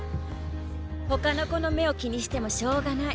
ほかの子の目を気にしてもしょうがない。